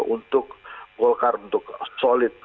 untuk golkar untuk solid